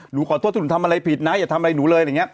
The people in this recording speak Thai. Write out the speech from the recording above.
หนูขอโทษถ้าหนูทำอะไรผิดนะอย่าทำอะไรหนูเลย